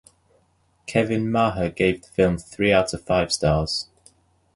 Kevin Maher gave the film three out of five stars.